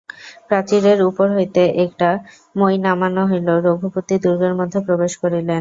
প্রাচীরের উপর হইতে একটা মই নামানো হইল, রঘুপতি দুর্গের মধ্যে প্রবেশ করিলেন।